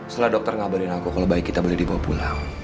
setelah dokter ngabarin aku kalau baik kita boleh dibawa pulang